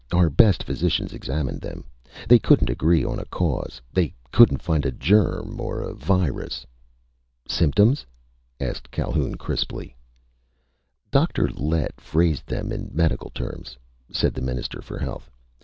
Our best physicians examined them. They couldn't agree on a cause, they couldn't find a germ or a virus...." "Symptoms?" asked Calhoun crisply. "Dr. Lett phrased them in medical terms," said the Minister for Health.